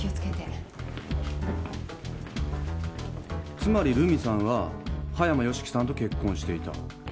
つまり留美さんは葉山芳樹さんと結婚していた。